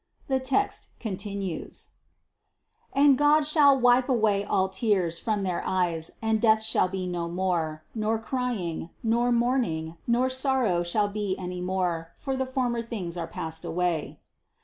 The text con tinues : 256. "And God shall wipe away all tears from their eyes and death shall be no more, nor crying, nor mourning, nor sorrow shall be any more, for the former things are passed away."